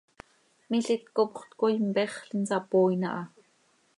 Milít copxöt coi mpexl, insapooin aha.